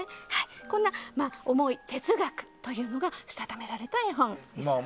こんな思い、哲学というのがしたためられた絵本です。